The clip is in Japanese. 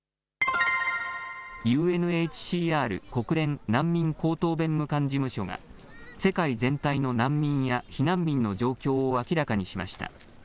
ＵＮＨＣＲ・国連難民高等弁務官事務所が、世界全体の難民や避難民の状況を明らかにしました。